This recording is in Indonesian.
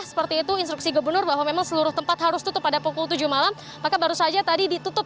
seperti itu instruksi gubernur bahwa memang seluruh tempat harus tutup pada pukul tujuh malam maka baru saja tadi ditutup